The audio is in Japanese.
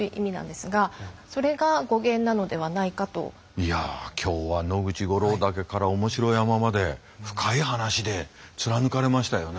いや今日は野口五郎岳から面白山まで深い話で貫かれましたよね。